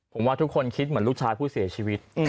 ผมว่าทุกคนคิดเหมือนลูกชายผู้เสียชีวิต